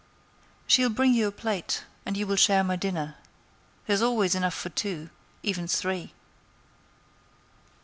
"She'll bring you a plate, and you will share my dinner. There's always enough for two—even three."